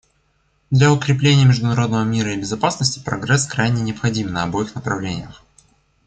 Для укрепления международного мира и безопасности прогресс крайне необходим на обоих направлениях.